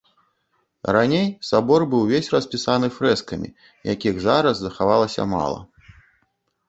Раней сабор быў увесь распісаны фрэскамі, якіх зараз захавалася мала.